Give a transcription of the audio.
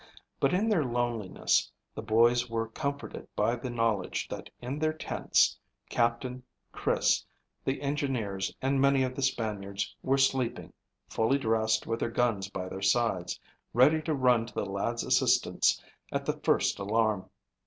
But in their loneliness the boys were comforted by the knowledge that in their tents Captain, Chris, the engineers, and many of the Spaniards were sleeping, fully dressed with their guns by their sides, ready to run to the lads' assistance at the first alarm.